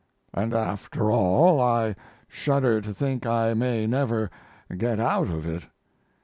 And after all, I shudder to think I may never get out of it.